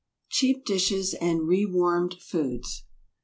CHEAP DISHES AND REWARMED FOODS.